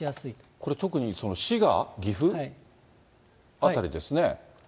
これ、特に滋賀、岐阜辺りですね。